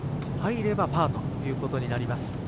入ればパーということになります。